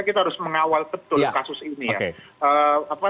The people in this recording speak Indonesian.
kita harus mengawal betul kasus ini ya